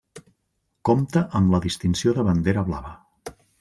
Compta amb la distinció de Bandera blava.